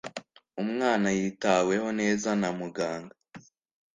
umwana yitaweho neza na muganga